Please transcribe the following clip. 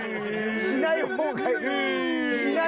しない方がいい！